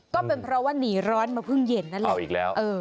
ก็เป็นเพราะว่าหนีร้อนมาพึ่งเย็นนั่นแหละ